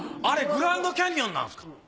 あれグランドキャニオンなんですか？